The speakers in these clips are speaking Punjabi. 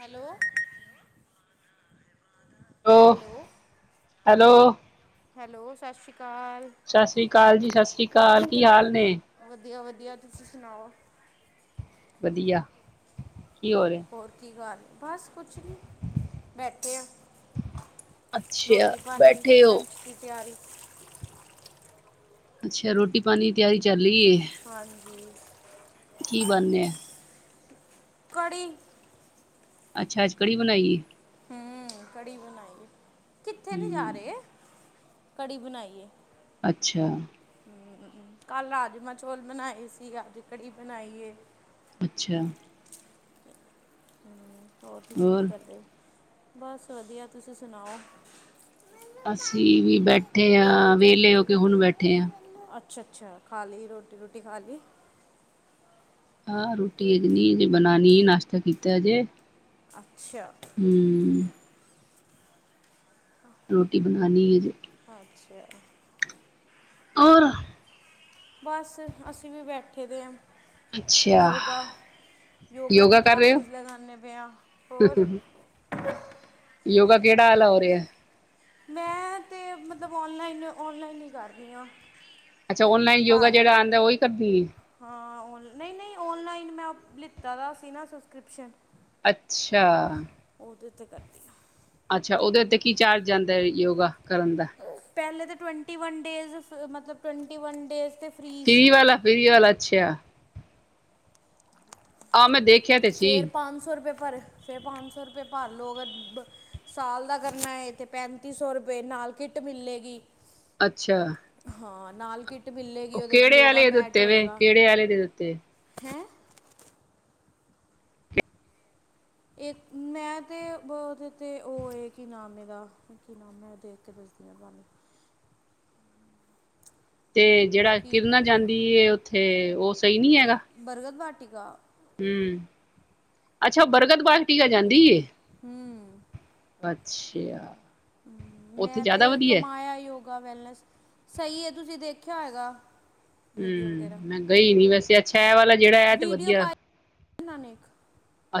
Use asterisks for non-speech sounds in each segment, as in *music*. ਹੈਲੋ ਹੈਲੋ ਹੈਲੋ ਹੈਲੌ ਸਤਿ ਸ਼੍ਰੀ ਅਕਾਲ ਸਤਿ ਸ੍ਰੀ ਅਕਾਲ ਜੀ ਸਤਿ ਸ਼੍ਰੀ ਅਕਾਲ ਕੀ ਹਾਲ ਨੇ? ਵਧੀਆ ਵਧੀਆ ਤੁਸੀਂ ਸੁਣਾਓ? ਵਧੀਆ। ਕੀ ਹੋ ਰਿਹਾ ਹੋਰ ਕੀ ਗੱਲ? ਬਸ ਕੁਛ ਨਹੀਂ ਬੈਠੇ ਆ ਅੱਛਾ ਰੋਟੀ ਪਾਣੀ ਬੈਠੇ ਹੋ ਲੰਚ ਦੀ ਤਿਆਰੀ। ਅੱਛਾ ਰੋਟੀ ਪਾਣੀ ਦੀ ਤਿਆਰੀ ਚੱਲ ਰਹੀ ਹੈ ਹਾਂਜੀ। ਕੀ ਬਣ ਰਿਹਾ ਆ? ਕੜੀ। ਅੱਛਾ ਅੱਜ ਕੜੀ ਬਣਾਈ? ਹਮ ਕੜੀ ਬਣਾਈ। ਕਿੱਥੇ ਨੀ ਜਾ ਹਮ ਰਹੇ। ਕੜੀ ਬਣਾਈ ਏ। ਅੱਛਾ। ਕੱਲ ਰਾਜਮਾਂ ਚੋਲ ਬਣਾਏ ਸੀ ਅਜ ਕੜੀ ਬਣਾਈ ਹੈ। ਅੱਛਾ। ਹਮ। ਹੋਰ ਤੁਸੀਂ ਕੀ ਕਰਦੇ ਹੋ? ਬਸ ਵਧੀਆ ਤੁਸੀਂ ਸੁਣਾਓ? ਮੈਨੂੰ ਪਾਣੀ ਅਸੀਂ ਵੀ ਪੀਣੇ ਬੈਠੇ ਹਾਂ ਨਿੰਜੂ ਵਿਹਲੇ ਹੋ ਕੇ ਟੁੱਕੇ ਹੁਣ ਬੈਠੇ ਹਾਂ। ਮੈਨੂੰ ਅੱਛਾ ਅੱਛਾ ਖਾ ਲਈ ਰੋਟੀ ਰੋਟੀ ਹਾਂ ਰੋਟੀ ਅਜ ਨ ਅਜੇ ਬਣਾਉਣੀ ਨਾਸ਼ਤਾ ਕੀਤਾ ਅਜੇ। *unintelligible* ਅੱਛਾ। ਹਮ। ਰੋਟੀ ਬਣਾਣੀ ਅਜੇ ਅੱਛਾ। ਹੋਰ? ਬਸ ਅਸੀਂ ਵੀ ਬੈਠੇ ਦੇ ਹਾਂ। ਅੱਛਾ ਯੋਗਾ ਯੋਗਾ ਦੀ ਕਰ ਰਹੇ ਹੋ ਕਲਾਸਿਸ ਲਗਾਉਣੇ ਪਏ ਹੋਰ? ਯੋਗਾ ਕਿਹੜਾ ਵਾਲਾ ਹੋ ਰਿਹਾ? ਮੈਂ ਤੇ ਮਤਲਬ ਔਨਲਾਈਨ ਔਨਲਾਈਨ ਹੀ ਕਰਦੀ ਹਾਂ। ਅੱਛਾ ਓਨਲਾਈਨ ਯੋਗਾ ਜਿਹੜਾ ਆਉਂਦਾ ਉਹੀ ਕਰਦੀ ਹੈ? ਹਾਂ ਔਨ- ਨਹੀਂ ਨਹੀਂ ਔਨਲਾਈਨ ਮੈਂ ਲਿੱਤਾ ਦਾ ਸੀ ਨਾ ਸਬਸਕ੍ਰਿਪਸ਼ਨ ਅੱਛਾ। *unintelligible* ਉੱਥੇ ਕਰਦੀਆਂ। ਅੱਛਾ ਉਹਦੇ ਉੱਤੇ ਕੀ ਚਾਰਜ ਜਾਂਦਾ ਹੈ ਯੋਗਾ ਕਰਨ ਦਾ? ਪਹਿਲੇ ਤੇ ਟਵੈਂਟੀ ਵਨ ਡੇਜ਼ ਮਤਲਬ ਟਵੈਂਟੀ ਵਨ ਡੇਜ਼ ਤੇ ਫ੍ਰੀ ਫਰੀ ਸੀ ਵਾਲਾ, ਫਰੀ ਵਾਲਾ ਅੱਛਾ। ਆਹ ਮੈਂ ਦੇਖ ਫੇਰ ਪੰਜ ਸੌ ਰੁਪਏ ਪਰ ਫੇਰ ਪੰਜ ਸੌ ਰੁਪਏ ਭਰ ਲੋ ਅਗਰ ਸਾਲ ਦਾ ਕਰਨਾ ਹੈ ਤੇ ਪੈਂਤੀ ਸੌ ਰੁਪਏ ਨਾਲ ਕਿੱਟ ਮਿਲੇਗੀ। ਅੱਛਾ ਹਾਂ ਨਾਲ ਕਿ ਉਹ ਕਿਹੜੇ ਆਲੇ ਦ ਉੱਤੇ ਵੇ ਕਿਹੜੇ ਆਲੇ ਦੇ ਉੱਤੇ। ਹੈ ਇਕ ਮੈਂ ਤੇ ਉਹਦੇ ਤੇ ਉਹ ਏ ਕਿ ਨਾਮ ਇਹਦਾ ਕੀ ਨਾਮ ਹੈ ਉਹ ਦੇ ਉੱਤੇ ਦੱਸਦੀ ਹਾਂ ਤੁਹਾਨੂੰ। ਤੇ ਜਿਹੜਾ ਕੀ ਕਿਰਨਾਂ ਜਾਂਦੀਏ ਉ ਤੇ ਉਸ ਸਹੀ ਨਹੀ ਹੈਗਾ? ਟੀ ਗਾ। ਹਮ ਅੱਛਾ ਬਰਗਦ ਬਾਗਟੀਕ ਜਾਂਦੀ ਐ। ਹੂੰ ਅੱਛਾ। ਉੱਥੇ ਮੈਂ ਜ਼ਿਆਦਾ ਤੇ ਵਧੀਆ ਕਮਾਇਆ ਯੋਗਾ ਵੈਲਨੈਸ ਸਹੀ ਹੈ ਤੁਸੀਂ ਦੇਖ ਖਿਆ ਹੋਏਗਾ। ਵੀਡੀਓ ਵਗੈਰਾ ਹਮ ਮੈਂ ਗਈ ਨੀ ਵੈਸੇ ਅੱਛਾ ਇਹ ਜਿਹੜਾ ਇਹ ਤੇ ਵਧੀਆ। ਨਾਂ ਨੇ ਇੱਕ।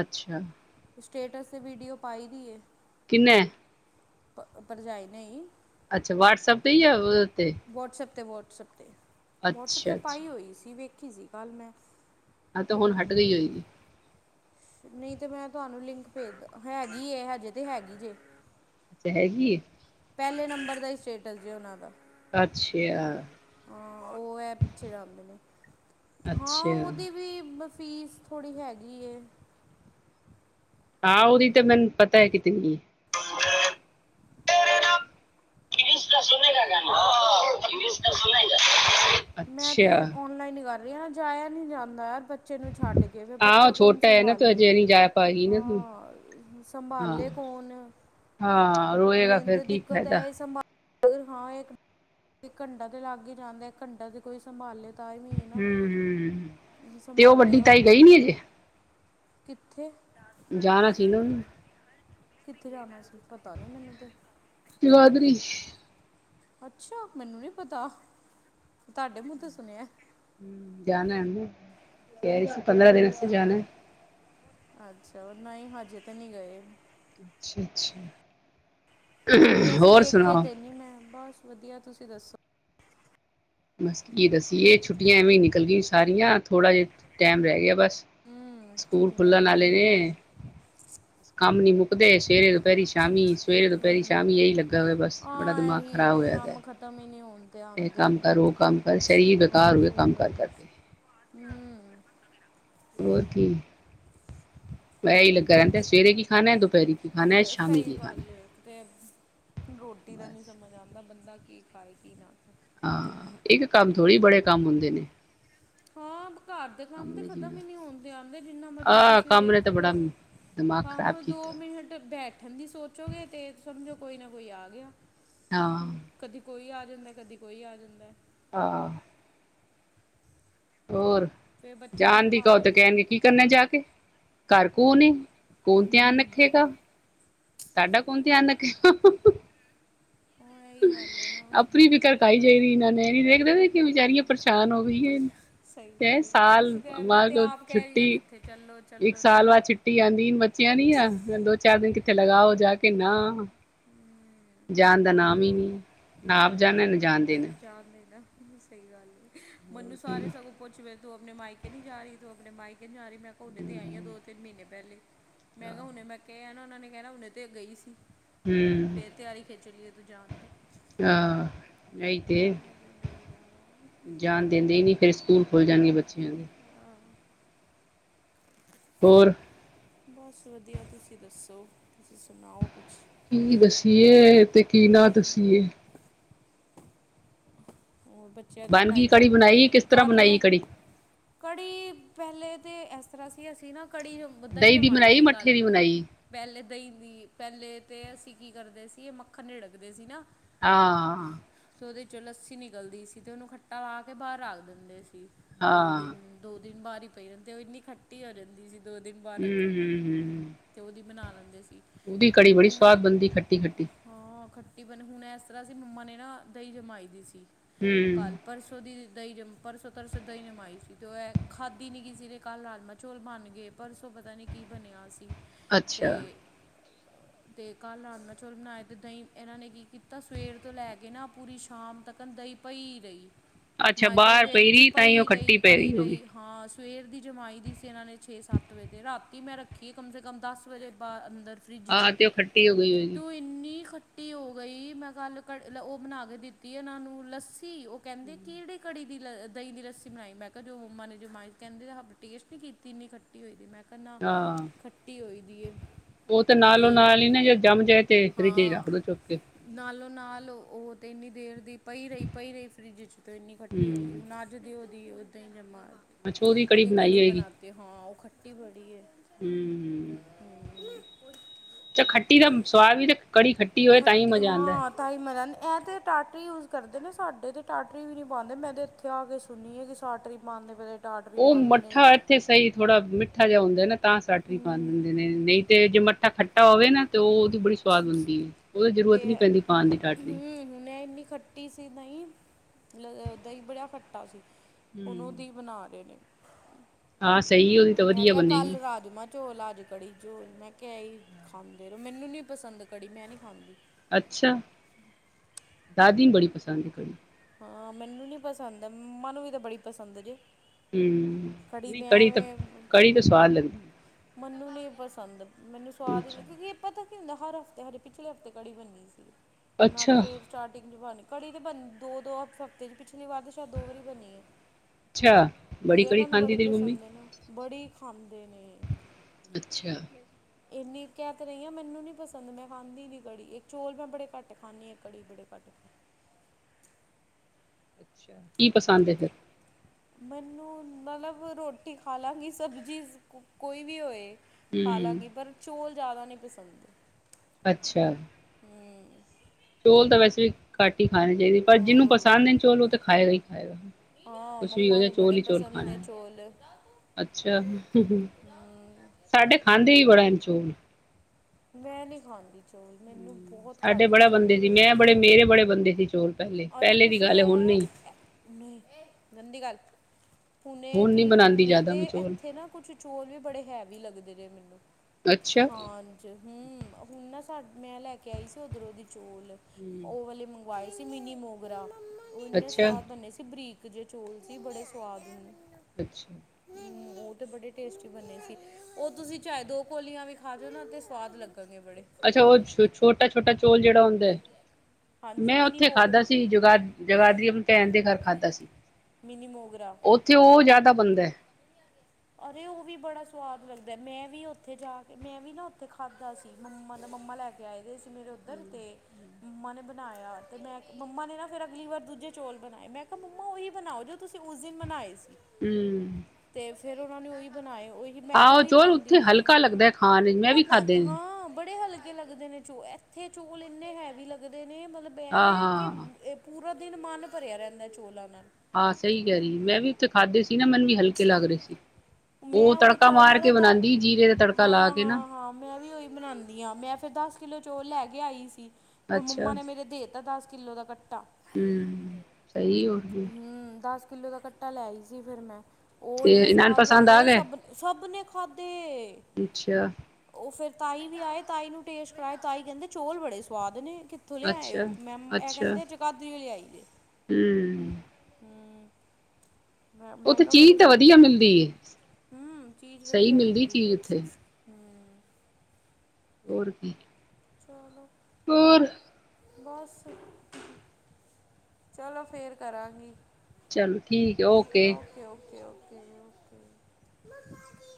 ਅੱਛਾ ਸਟੇਟਸ ਤੇ ਵੀਡੀਓ ਪਾਈ ਦੀ ਹੈ। *unintelligible* ਭਰਜਾਈ ਨੇ ਹੀ। ਅੱਛਾ ਵਟਸਐਪ ਤੇ ਯਾ ਵੋਟਸਐਪ ਤੇ ਵਟਸਐਪ ਤੇ। ਵਟਸਐਪ ਤੇ ਅੱਛਾ ਅੱਛਾ ਪਾਈ ਹੋਈ ਸੀ ਵੇਖ ਦੇਖੀ ਸੀ ਕੱਲ ਮੈਂ। ਹਹ ਤੇ ਹੁਣ ਹਟ ਗਈ ਹੋਏਗੀ। ਨਹੀਂ ਤੇ ਮੈਂ ਤੁਹਾਨੂੰ ਲਿੰਕ ਭੇਜ ਹੈਗੀ ਹਜੇ ਤੇ ਹੈਗੀ ਜੇ। ਅੱਛਾ ਹੈਗੀ ਹੈ। ਪਹਿਲੇ ਨੰਬਰ ਦਾ ਹੀ ਸਟੇਟਸ ਜੀ ਉਹਨਾਂ ਦਾ। ਅੱਛਾ। ਹਾਂ ਉਹ ਹੈ ਪਿੱਛੇ ਜਾਂਦੇ ਨੇ ਹਾਂ ਅੱਛਾ ਉਹਦੀ ਵੀ ਬਸ ਫੀਸ ਥੋੜ੍ਹੀ ਹੈਗੀ ਏ। ਹਾਂ ਉਹਦੀ ਤਾਂ ਮੈਨੂੰ ਪਤਾ ਹੈ ਕਿਤਨੀ ਸੁਗਾ ਗਾਨਾ ਮਿਲ ਤਾਂ ਸੁਣੇਗਾ ਮੈਂ ਤੇ ਔਨਲਾਈਨ ਹੀ ਕਰ ਜਾਇਆ ਨੀ ਜਾਂਦਾ ਯਾਰ ਪ ਬੱਚੇ ਨੂੰ ਛੱਡ ਕੇ ਫਿਰ ਆਹੋ ਬੱਚਾ ਕੌਣ ਛੋਟਾ ਹੈ ਨਾ ਤੋ ਸੰਭਾਲੇ ਅਜੇ ਨਹੀਂ ਜਾ ਪਾਏਗੀ ਨਾ ਤੂੰ ਹਾਂ ਹਾਂ ਸੰਭਾਲੇ ਕੌਣ ਹਾਂ ਰੋਏਗਾ ਮੇਨ ਫੇਰ ਤੇ ਕੀ ਦਿੱਕਤ ਫਾਇਦਾ ਹੈ ਸੰਭਾ ਅ ਹਾਂ ਇਹ ਘੰਟਾ ਤੇ ਲਾਗੇ ਜਾਂਦੇ। ਘੰਟਾ ਤੇ ਕੋਈ ਸੰਭਾਲੇ, ਹੂੰ, ਤੇ ਉਹ ਵੱਡੀ ਸੰਭਾਲੇਗਾ ਤਾਈ ਗਈ ਕੌਣ ਨੀ ਹਜੇ, ਕਿੱਥੇ, ਜਾਣਾ ਸੀਨਾ, ਕਿੱਥੇ ਜਾਣਾ ਸੀ ਪਤਾ ਨੀ ਮੈਨੂੰ ਤੇ, ਜਗਾਦਰੀ, ਅੱਛਾ ਮੈਨੂੰ ਨੀ ਪਤਾ ਤੁਹਾਡੇ ਮੁੰਹ ਤੇ ਸੁਣਿਆ। ਹੂੰ, ਜਾਣਾ ਸੀ ਪੰਦਰਾਂ ਦਿਨ ਜਾਣਾ। ਅੱਛਾ ਉਹ ਨਹੀਂ ਹਜੇ ਤੇ ਨਹੀਂ ਗਏ। ਅੱਛਾ ਅੱਛਾ, ਵੈਸੇ ਹੋਰ ਵੇਖੇ ਸੁਣਾਓ ਤੇ ਨੀ ਮੈਂ ਬਸ, ਵਧੀਆ ਤੁਸੀਂ ਦੱਸੋ। ਬਸ ਕੀ ਦੱਸੀ ਇਹ ਛੁੱਟੀਆਂ ਐਵੇਂ ਹੀ ਨਿਕਲ ਗਈ ਸਾਰੀਆਂ ਥੋੜਾ ਜਿਹਾ ਟੈਮ ਰਹਿ ਗਿਆ ਬਸ। ਹੂੰ ਸਕੂਲ ਛੁੱਟੀਆਂ ਖੁਲਣ ਐਵੇਂ ਵਾਲੇ ਨਹੀਂ ਕਿ- ਨੇ ਕੰਮ ਨੀ ਮੁੱਕ, ਦੇ ਸਵੇਰੇ ਦੁਪਹਿਰੀ ਸ਼ਾਮੀ, ਸਵੇਰੇ ਦੁਪਹਿਰੀ ਸ਼ਾਮ ਇਹੀ ਹੂੰ ਲੱਗਾ ਹੋਇਆ ਬਸ ਬੜਾ ਆ ਦਿਮਾਗ਼ ਇਹੀ ਖਰਾਬ ਇਹ ਹੋਇਆ ਪਿਆ। ਕੰਮ ਖਤਮ ਹੀ ਨਹੀਂ ਹੋਣ ਤੇ ਆਦੇ ਬੇਕਾਰ ਕੰਮ ਹੋ ਗਿਆ ਸਹੀ ਕਰ ਗੱਲ ਕਰਕੇ ਹੂੰ, ਹੋਰ ਕੀ ਮੈਂ ਹੀ ਲੱਗਾ ਰਹਿੰਦਾ ਸਵੇਰੇ ਕੀ ਖਾਣਾ ਦੁ ਸਹੀ ਗੱਲ ਐ ਕਿਤੇ, ਰੋਟੀ ਦਾ ਨੀ ਬਸ ਸਮਝ ਆਦਾ ਬੰਦਾ, ਦਾ ਕੀ ਖਾਏ ਕੀ ਨਾ ਖਾਏ। ਆਹ ਇੱਕ ਕੰਮ ਥੋੜ੍ਹੀ ਬੜੇ ਕੰਮ ਹੁੰਦੇ ਨੇ, ਹਾਂ, ਘਰ ਦੇ ਕੰਮ ਤੇ ਨੇ ਖਤਮ ਜੀਣਾ ਹੀ ਨਹੀਂ ਹੋਣਦੇ ਆਂਦੇ ਜਿੰਨਾ ਮਰਜੀ ਆਹ ਤੁਸੀਂ ਕੰਮ ਨੇ ਦੇੇਖ ਤਾਂ ਲਓ ਬੜਾ ਦਿਮਾਗ ਖ਼ਰਾਬ ਕੰਮ ਦੋ ਕੀਤਾ ਮਿੰਟ ਬੈਠ ਠੰਡੀ ਸੋਚੋਗੇ ਤੇ ਸਮਝੋ ਕੋਈ ਨਾ ਕੋਈ ਆ ਗਿਆ। ਹਾਂ ਕਦੇ ਕੋਈ ਆ, ਜਾਂਦਾ ਕਦੀ ਕੋਈ ਆ ਜਾਂਦਾ। ਆਹ, ਹੋਰ ਫਿਰ ਬੱਚੇ ਨੂੰ ਜਾਣ ਦੀ ਸੰਭਾਲ ਕਓ ਲਓ ਤੇ ਉਸ ਤੋਂ ਕਹਿਣਗੇ ਕੀ ਕਰਨਾ ਜਾ ਕੇ ਘਰ ਕਨ ਈ ਕਨ ਧਿਆਨ ਹੂੰ, ਰੱਖੇਗਾ ਸਾਡਾ ਸਹੀ ਕੌਣ ਧਿਆਨ ਗੱਲ ਹੈ ਰੱਖੇਗਾ। ਹੁਣ ਇਹੀ ਗੱਲ ਹੈ ਨਾ ਆਪਣੀ ਫਿਕਰਕਾਈ ਜਾਈ ਰ ਇਹਨਾਂ ਨੇ ਨੀ ਦੇਖਦੇ। ਬੇਚਾਰੀਆਂ ਪਰੇਸ਼ਾਨ ਹੋ ਪਰ ਸਹੀ ਗਈਆਂ, ਗੱਲ ਹੈ ਸਾਲ ਅਸੀਂ ਤਾਂ ਮੈਂ ਤੇ ਆਪ ਕਹਿ ਰਹੀ ਹਾਂ ਛੁੱਟੀ ਕਿੱਥੇ ਚੱਲੋ ਇੱਕ ਚੱਲੋ ਸਾਲ ਚੱਲੋ ਬਾਅਦ ਛੁੱਟੀ ਆਦੀ ਬੱਚਿਆਂ ਦੀ ਆ ਦੋ ਚਾਰ ਦਿਨ ਕਿੱਥੇ ਲਗਾ ਹੋ ਜਾ ਕਿੰਨਾ ਜਾਣ ਦਾ ਨਾ ਨਾ ਆਪ ਜਾਣਾ, ਨਾ ਜਾ ਜਾਣਦੇ ਦਾ ਇਹ ਸਹੀ ਗੱਲ ਹੈ। ਮੈਨੂੰ ਸਾਰੇ ਹੂੰ ਸਗੋਂ ਪੁੱਛਵੇ ਤੂੰ ਆਪਣੇ ਮਾਈਕੇ ਨਹੀਂ ਜਾ ਰਹੀ, ਤੂੰ ਆਪਣੇ ਮਾਈਕੇ ਨੀ ਜਾ ਰਹੀ। ਮੈਂ ਕਿਹਾ ਹੂਨੇ ਤੇ ਆਈ ਹਾਂ, ਦੋ-ਤਿੰਨ ਮਹੀਨੇ ਪਹਿਲੇ। ਮੈਂ ਕਿਹਾ ਹੁਨ ਮੈਂ ਕਿਹਾ ਉਹਨਾਂ ਨੇ ਕਹਿਣਾ ਹੁਣੇ ਤੇ ਇਹ ਗਈ ਸੀ। ਫੇਰ ਤਿਆਰੀ ਖਿੱਚ ਲਈ ਏ। ਤੂੰ ਜਾਦੀ ਆਹ ਇਹੀ ਤੇ, ਕਿਹਾ ਨਹੀਂ ਜਾਣਾ ਜਾਣ ਦਿੰਦੇ ਹੀ ਨਹੀਂ ਫਿਰ ਸਕੂਲ ਖੁੱਲ ਜਾਣਗੇ ਬੱਚੀਆਂ ਦੇ। ਹੋਰ। ਬਸ ਵਧੀਆ, ਤੁਸੀਂ ਦੱਸੋ? ਤੁਸੀਂ ਸੁਣਾਓ ਕੁਛ ਕੀ ਦੱਸੀਏ ਤੇ, ਕੀ ਨਾ ਦੱਸੀਏ। ਉਹ ਬੱਚਿਆਂ ਦੀ ਬਣ ਗਈ ਕੜੀ ਪੜ੍ਹਾਈਆਂ, ਬਣਾਈ ਕਿਸ ਤਰ੍ਹਾਂ ਕਰ ਬਣਾਈ ਲਿਆ ਕੜੀ ਕੜੀ ਪਲੇ ਤੇ ਇਸ ਤਰ੍ਹਾਂ ਸੀ, ਅਸੀਂ ਨਾ ਕੜੀ ਦਹੀਂ ਦੀ ਜਮਾਈ ਬਣਾਈ ਸੀ ਕੱਲ, ਮੱਠੇ ਦੀ ਬਣਾਈ ਪਹਿਲੇ ਦਹੀਂ ਦੀ ਪਹਿਲੇ ਤੇ ਅਸੀਂ ਕੀ ਕਰਦੇ ਸੀ ਇਹ ਮੱਖਣ ੜਿੜਕਦੇ ਸੀ ਨਾ ਆਹ ਤੇ ਉਹਦੇ ਵਿਚ ਲੱਸੀ ਨਿਕ ਨਿਕਲਦੀ ਸੀ, ਤੇ ਉਹਨੂੰ ਖੱਟਾ ਲਾ ਕੇ ਬਾਹਰ ਰੱਖ ਦਿੰਦੇ ਸੀ। ਦੋ ਹਾਂ ਦਿਨ ਦੋ ਦਿਨ ਬਾਹਾਰੀ ਪਈ ਜਾਂਦੇ, ਉਹ ਏਨੀ ਖੱਟੀ ਹੋ ਜਾਂਦੀ ਸੀ। ਦੋ ਦਿਨ ਬਾਅਰ ਹੂੰ ਰੱਖਣ ਹੂੰ ਵਾਲੀ, ਹੂੰ ਤੇ ਉਹਦੀ ਬਣਾ ਲੈ ਬ ਉਹਦੀ ਕੜੀ ਬੜੀ ਸਵਾਦ ਬਣਦੀ, ਖੱਟੀ -ਖੱਟੀ। ਹਾਂ ਖੱਟੀ ਹੁਣ ਇਸ ਤਰ੍ਹਾਂ ਸੀ ਮੰਮਾ ਨੇ ਨਾ, ਦਹੀਂ ਜਮਾਈ ਦੀ ਸੀ। ਹੂੰ ਕੱਲ੍ਹ ਪਰਸੋਂ ਦੀ ਦਹੀਂ ਨਮ ਪਰਸੋਂ ਤਰਸੋਂ ਦਹੀਂ ਨਮਾਈ ਸੀ ਅਤੇ ਉਹ ਇਹ ਖਾਧੀ ਨਹੀਂ ਗਈ ਸੀ, ਕੱਲ੍ਹ ਰਾਜਮਹ- ਚੌਲ ਬਣ ਗਏ ਪਰਸੋਂ ਪਤਾ ਨਹੀਂ ਕੀ ਬਣਿਆ ਸੀ। ਅੱਛਾ। ਤੇ ਤੇ ਕੱਲ੍ਹ ਰਾਜਮ ਚੋਲ ਬਣਾਏ, ਤੇ ਦਹੀਂ ਇਹਨਾਂ ਨੇ ਕੀ ਕੀਤਾ ਸਵੇਰ ਤੋਂ ਲੈ ਕੇ ਨਾ ਪੂਰੀ ਸ਼ਾਮ ਤੱਕ ਦਈ ਪਈ ਰਹੀ। ਅੱਛਾ ਬਾਹਰ ਮਾਈਕ੍ਰੋਵੇਵ ਚ ਰਹੀ ਤਾਂ ਹੀ ਉਹ ਪਈ ਰਹੀ, ਖੱਟੀ ਪੈ ਪਈ ਹੋਗੀ ਰਹੀ ਹਾਂ। ਸਵੇਰ ਦੀ ਜਮਾਈ ਦੀ ਸੀ ਇਹਨਾ ਨੇ ਛੇ ਸੱਤ ਵਜੇ ਰਾਤੀ ਮੈਂ ਰੱਖ ਕਿ ਕਮ ਸੇ ਕਮ ਦਸ ਵਜੇ ਬਾਅਦ ਅੰਦਰ ਫਰਿੱਜ ਚ ਆਹ ਤੇ ਉਹ ਖੱਟੀ ਹੋ ਗਈ ਹੋਏਗੀ ਤੂੰ ਇੰਨੀ ਖੱਟੀ ਹੋ ਗਈ ਮੈਂ ਕੱਲ ਕ ਉਹ ਬਣਾ ਕੇ ਦਿੱਤੀ ਇਹਨਾਂ ਨੂੰ ਊਲਸ ਉਹ ਕਹਿੰਦੇ ਕੇੜੇ ਕੜੀ। ਦਹੀਂ ਦੀ ਲੱਸੀ ਬਣਾਈ ਮੈਂ ਕਿਹਾ ਜੋ ਮੰਮਾ ਨੇ ਜਮਾਈ ਕਹਿੰਦੇ ਟੇਸਟ ਨਹੀਂ ਕੀਤੀ, ਇੰਨੀ ਖੱਟੀ ਹੋਈ ਦੀ ਮੈਂ ਕਿਹਾ ਨਾ ਹਾਂ, ਖੱਟੀ ਹੋਈ ਦੀ ਏ ਉਹ ਤੇ ਨਾਲੋਂ ਨਾਲ ਹੀ ਨਾ ਜੇ ਜੰਮ ਜਾਏ ਤੇ ਫਰਿਜ ਚ ਹਾਂ ਰੱਖਦੋ ਚੁਕ ਕੇ। ਨਾਲੋਂ ਨਾਲ ਉਹ ਤੇ ਇੰਨੀ ਦੇਰ ਦੀ ਪਈ ਰਹੀ ਪਈ ਰਹੀ ਫਰਿੱਜ 'ਚ ਤਾਂ ਇੰਨੀ ਖੱਟੀ ਹੋ ਗਈ ਹੂੰ ਹੁਣ ਅੱਜ ਦੀ ਉਹ ਦੀ ਉਹ ਦਹੀ ਜਮਾ ਅੱਛਾ ਉਹਦੀ ਬਣਾਈ ਕੜੀ ਹੋਏਗੀ ਬਣਾਤੀ ਹਾਂ ਉਹ ਖੱਟੀ ਬੜੀ ਏ ਹੂੰ ਹੂੰ। ਕੁਨ *unintelligible* ਖੱਟੀ ਦਾ ਸਵਾਦ ਵੀ ਤੇ ਕੜੀ ਖੱਟੀ ਹੋਏ ਤਾਂ ਹੀ ਮਜ਼ਾ ਆਂਦਾ। ਐਂ ਤਾਂ ਟਾਟਰੀ ਯੂਜ ਕਰਦੇ ਨੇ, ਸਾਡੇ ਤੇ ਟਾਟਰੀ ਵੀ ਨਹੀਂ ਪਾਉਂਦੇ ਮੈਂ ਤਾਂ ਇੱਥੇ ਆ ਕੇ ਸੁਣੀ ਏ ਕਿ ਸਾਟ ਹੀ ਪਾਉਂਦੇ ਪ ਉਹ ਮੱਠਾ, ਇੱਥੇ ਸਹੀ ਥੋੜ੍ਹਾ ਮਿੱਠਾ ਜਿਹਾ ਹੁੰਦਾ ਨਾ ਤਾਂ ਸਾਟਰੀ ਹੂੰ ਪਾਂਦੇ ਨੇ ਨਹੀਂ ਤੇ ਜੇ ਮੱਠਾ ਖੱਟਾ ਹੋਵੇ ਨਾ ਤੇ ਉਹਦੀ ਬੜੀ ਸਵਾਦ ਹੁੰਦੀ ਐ। ਤੇ ਹੂੰ ਮੈਂ ਇੰਨੀ ਖੱਟੀ ਸੀ ਦਹੀਂ ਲ ਓਦਾਂ ਹੀ ਬੜਾ ਖੱਟਾ ਸੀ। ਉਹਨੂੰ ਹੂੰ ਦੀ ਬਣਾ ਹਾਂ ਸਹੀ ਉਹਦੀ ਤਾਂ ਵਧੀਆ ਬਣੇਗੀ। ਜ ਕੜੀ ਚੋਲ ਮੈਂ ਕਿਹਾ ਇਹੀ ਖਾਂਦੇ ਰਹੋ, ਮੈਨੂੰ ਨਹੀਂ ਪਸੰਦ ਕੜੀ ਮੈਂ ਨਹੀਂ ਖਾਂਦੀ। ਅੱਛਾ, ਦਾਦੀ ਨੂੰ ਬੜੀ ਪਸੰਦ ਹੈ ਕੜੀ। ਹਾਂ ਮੈਨੂੰ ਨੀ ਪਸੰਦ ਏ, ਮਮਾ ਨੂੰ ਵੀ ਤੇ ਬੜੀ ਪਸੰਦ ਜੇ। ਹੂੰ ਕੜੀ ਨਹੀਂ ਤੇ ਤਾਂ ਐਵੇਂ, ਕੜੀ ਤਾਂ ਸਵਾਦ ਲੱਗਦੀ ਮੈਨੂੰ ਨੀ ਪਸੰਦ ਮੈਨੂੰ ਸਵਾਦ ਅੱਛਾ ਲੱਗਗੀ ਪਤਾ। ਕੀ ਹੁੰਦਾ, ਹਰ ਹਫ਼ਤੇ ਹਰੇ ਪਿਛਲੇ ਹਫ਼ਤੇ ਕੜੀ ਬਣੀ ਸੀ। ਹੁਣ ਅੱਜ ਅੱਛਾ ਫੇਰ ਸਟਾਰਟਿੰਗ ਜ ਬਣ ਕੜੀ ਤਾਂ ਬਣਦੀ ਦੋ ਦੋ ਹਫ਼ਤੇ ਚ ਪਿੱਛੇ ਪਿਛਲੀ ਵਾਰ ਸ਼ਾਇਦ ਦੋ ਵਾਰੀ ਬਣੀ ਏ, ਅੱਛਾ, ਬੜੀ ਕਿਓਂਕਿ ਕੜੀ ਇਹਨਾਂ ਨੂੰ ਬੜੀ ਖਾਂਦੀ ਤੇਰੀ ਮੰਮੀ ਪਸੰਦ ਐ ਨਾ। ਬੜੀ ਖਾਂਦੇ ਨੇ। ਅੱਛਾ। ਇੰਨੀ ਕਹਿ ਤੇ ਰਹੀ ਆ ਮੈਨੂੰ ਨੀ ਪਸੰਦ ਮੈਂ ਖਾਂਦੀ ਦੀ ਕੜੀ ਇਹ ਚੋਲ ਮੈਂ ਬੜੇ ਘੱਟ ਖਾਂਦੀ ਆ ਕੜੀ ਬੜੇ ਘੱਟ ਅੱਛਾ ਕੀ ਪਸੰਦ ਹੈ ਫਿਰ ਮੈਨੂੰ ਮਤਲਬ ਰੋਟੀ ਖਾ ਲਾਂਗੀ ਸਬਜ਼ੀ ਕੋਈ ਵੀ ਹੋਏ ਹੂੰ ਖਾਲਾਂਗੀ ਪਰ ਚੋਲ ਜ਼ਿਆਦਾ ਨੀ ਪਸੰਦ। ਅੱਛਾ ਹੂੰ ਚੋਲ ਤਾਂ ਵੈਸੇ ਵੀ ਘੱਟ ਨਹੀ ਖਾਣੇ ਚਾਹੀਦੇ। ਪਰ ਜਿਹਨੂੰ ਪਸੰਦ ਨੇ ਚੋਲ ਉਹ ਤਾਂ ਖਾਏਗਾ ਹੀ ਖਾਏਗਾ, ਹਾਂ ਹਾਂ ਕੁਛ ਵੀ ਹੋ ਮੰਮਾ ਜਾ ਨੂੰ ਚੋਲ ਬੜੇ ਹੀ ਚੋਲ ਪਸੰਦ ਨੇ ਖਾਣੇ, ਚੌਲ ਹੂੰ ਅੱਛਾ ਸਾਡੇ ਖਾਂਦੇ ਹੀ ਬੜਾ ਨੇ ਚੌਲ। ਮੈਂ ਨਹੀਂ ਖਾਂਦੀ। ਚੌਲ ਮੈਨੂੰ ਹਮ ਬਹੁਤ ਸਾਡੇ ਘੱਟ ਬੜਾ ਪਸੰਦ ਬੰਦੇ ਨੇ ਸੀ, ਮੈਂ ਬੜੇ ਮੇਰੇ ਬੜੇ ਬੰਦੇ ਸੀ ਚੋਲ। ਪਹਿਲੇ ਅਰੇ ਇਹ ਪਹਿਲੇ ਦੀ ਤੁਸੀਂ ਗੱਲ ਹੁਣ ਹੈ ਨਹੀਂ ਨਹੀਂ ਗੰਦੀ ਗੱਲ ਹੁਣੇ ਹੁਣ ਨੀ ਕਿ ਬਣਾਉਂਦੀ ਹੁਣੇ ਜ਼ਿਆਦਾ ਤੇ ਮੈਂ ਚੋਲ ਇੱਥੇ ਨਾ ਕੁਛ ਚੋਲ ਵੀ ਬੜੇ ਹੈਵੀ ਲੱਗਦੇ ਨੇ। ਦੇ ਮੇਨੂੰ ਅੱਛਾ ਖਾਣ ਚ ਹੂੰ ਹੁਣ ਨਾ ਮੈਂ ਲੈ ਕੇ ਆਈ ਸੀ ਉੱਧਰੋ ਦੀ। ਚੋਲ ਹਮ ਉਹ ਵਾਲੇ ਵਾਈਫ ਮਿਨੀ ਮੋਗਰਾ ਉਹ ਇੰਨੇ ਅੱਛਾ ਸਵਾਦ ਬਣੇ ਸੀ ਬਰੀਕ ਦੂਜੇ ਚੌਲ ਸੀ ਬੜੇ ਸਵਾਦ ਬਨੇ। ਅੱਛਾ ਉਹ ਤੇ ਬੜੇ ਟੇਸਟੀ ਬਣੇ ਸੀ ਉਹ ਤੁਸੀਂ ਚਾਹੇ ਦੋ ਕੋਲੀਆਂ ਵੀ ਖਾ ਜਾਓ ਨਾ ਤੇ ਸਵਾਦ ਲੱਗ ਅੱਛਾ ਉਹ ਛੋਟਾ ਛੋਟਾ ਚੋਲ ਜਿਹੜਾ ਹੁੰਦਾ। ਦੈ ਹਾਂਜੀ ਮੈਂ ਮਿਨੀ ਉੱਥੇ ਖਾਧਾ ਮੋਗਰਾ ਸੀ ਜਗਾ ਜਗਾਦਰੀ ਆਪਣੀ ਭੈਣ ਦੇ ਘਰ ਖਾਧਾ ਸੀ ਮਿਨੀ ਮੋਗਰਾ ਉੱਥੇ ਉਹ ਜ਼ਿਆਦਾ ਬਨਦਾ ਹੈ। ਅਰੇ ਉਹ ਵੀ ਬੜਾ ਸਵਾਦ ਲੱਗਦਾ ਹੈ, ਮੈਂ ਵੀ ਉੱਥੇ ਜਾ ਕੇ ਮੈਂ ਵੀ ਨਾ ਉੱਥੇ ਖਾਧਾ ਸੀ ਮੰਮਾ ਦਾ ਮੰਮਾ ਲੈ ਕੇ ਆਏ ਸੀ। ਫੇਰ ਉੱਧਰ ਗਏ। ਮੰਮਾ ਨੇ ਬਣਾਇਆ ਤੇ ਮੈਂ ਮੰਮਾ ਨੇ ਨਾ ਫਿਰ ਅਗਲੀ ਵਾਰ ਦੂਜੇ ਚੌਲ ਬਣਾਏ, ਮੈਂ ਕਿਹਾ ਮੰਮਾ ਉਹੀ ਬਣਾਓ ਜੋ ਤੁਸੀਂ ਉਸ ਦਿਨ ਬਣਾਏ ਸੀ। ਹੂੰ ਤੇ ਫਿਰ ੳਨਾਨੇ ਉਹੀ ਬਣਾਏ। ਉਹੀ ਮੈਂ ਤੇ ਉਹੀ ਖਾਂਦੀ ਉੱਥੇ ਰਹੀ ਹਾਂ ਹਲਕਾ ਲੱਗਦਾ ਖਾਣ ਵਿੱਚ, ਮੈਂ ਵੀ ਪਤਾ ਖਾਧੇ ਨਹੀਂ ਨੇ ਹਾਂ ਬੜੇ ਹਲ ਹਲਕੇ ਲੱਗਦੇ ਨੇ ਚੋਲ, ਇੱਥੇ ਚੋਲ ਇੰਨੇ ਹੈਵੀ ਲੱਗਦੇ ਇਹ ਮਤਲਬ ਹਾਂ ਐਵੇਂ ਕਿ ਹਾਂ ਇਹ ਪੂਰਾ ਦਿਨ ਮਨ ਭਰਿਆ ਰਹਿੰਦਾ ਚੋਲਾਂ ਨਾਲ ਹਾਂ ਸਹੀ ਕਹਿ ਰਹੀ ਹਾਂ, ਮੈਂ ਵੀ ਉੱਥੇ ਖਾਧੇ ਸੀ ਨਾ ਮੈਨੂੰ ਵੀ ਹਲਕੇ ਲੱਗ ਰਹੇ ਸੀ। ਮੈਂ ਉਹ ਤੜਕਾ ਚੋਲ ਮਾਰ ਦਾ ਕੇ ਦਾ ਬਣਾਉਂਦੀ ਜੀਰੇ ਦਾ ਤੜਕਾ ਲਾ ਹਾਂ ਕੇ ਨਾ ਹਾਂ ਹਾਂ ਮੈਂ ਵੀ ਉਹੀ ਬਣਾਉਂਦੀ ਹਾਂ ਮੈਂ ਫਿਰ ਦੱਸ ਕਿੱਲੋ ਚੋਲ ਲੈ ਕੇ ਆਈ ਸੀ। ਅੱਛਾ ਮੰਮਾ ਨੇ ਮੇਰੇ ਦੇਤਾ ਦੱਸ ਕਿੱਲੋ ਦਾ ਕੱਟਾ, ਹਮ ਸਹੀ ਹੋਰ ਕੀ, ਹੂੰ ਦਸ ਕਿਲੋ ਦਾ ਕੱਟਾ ਲੈ ਆਈ ਸੀ ਫੇਰ ਮੈ। ਤੇ ਏਨਾ ਨੂੰ ਪਸ ਬੰਨੇ, ਸਭ ਸਭ ਨੇ ਖਾਧੇ ਅੱਛਾ ਓ ਫੇਰ ਤਾਈ ਵੀ ਆਏ, ਤਾਈ ਨੂੰ ਟੇਸਟ ਕਰਾਏ ਤਾਈ ਕੈਂਦੇ ਚੌਲ ਬੜੇ ਸੁਆਦ ਨੇ। ਕਿੱਥੋਂ ਲਿਆ ਆਏ ਅੱਛਾ ਓ? ਮੈ ਐ ਕੈਂਦੇ ਜਗਦਾਰੀਓ ਲਿਯਾਈ ਹੂੰ। ਮੈਂ ਮੈਂ ਕਾਹਾ ਬੜੇ ਚੀਜ਼ ਤਾਂ ਸੋਨ, ਵਧੀਆ ਮਿਲਦੀ ਹੈ ਹੂੰ ਚੀਜ਼ ਸਹੀ ਵਧੀਆ ਮਿਲਦੀ ਏ, ਚੀਜ਼ ਉੱਥੇ ਹੂੰ। ਓਰ ਕੀ *inaudible* ਓਰ ਬਸ, ਚਲੋ ਫੇਰ ਕਰਾਂਗੀ। ਚਲੋ ਠੀਕ ਏ, ਓਕੇ। *inaudible*